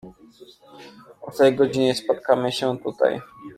"O tej godzinie spotkamy się tutaj."